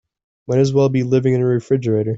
Might as well be living in a refrigerator.